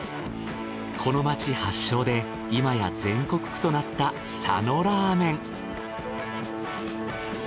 この街発祥でいまや全国区となった佐野ラーメン。